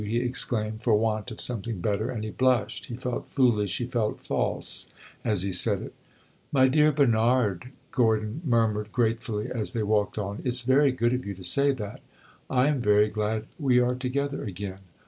he exclaimed, for want of something better; and he blushed he felt foolish, he felt false as he said it. "My dear Bernard!" Gordon murmured gratefully, as they walked on. "It 's very good of you to say that; I am very glad we are together again.